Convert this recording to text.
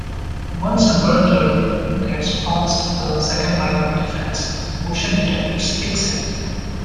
Once a burglar gets past the second line of defence, motion detectors kick in.